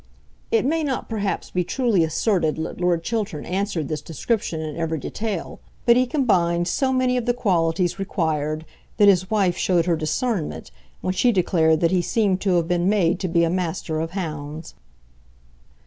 It may not perhaps be truly asserted that Lord Chiltern answered this description in every detail; but he combined so many of the qualities required that his wife showed her discernment when she declared that he seemed to have been made to be a Master of Hounds.